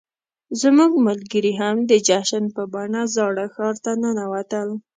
زموږ ملګري هم د جشن په بڼه زاړه ښار ته ننوتل.